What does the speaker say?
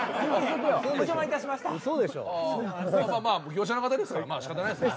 業者の方ですから仕方ないですね。